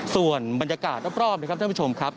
ส่วนบรรยากาศรอบนะครับท่านผู้ชมครับ